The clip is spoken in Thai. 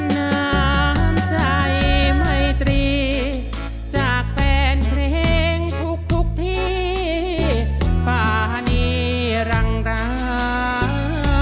น้ำใจไมตรีจากแฟนเพลงทุกที่ป่านีรังร้า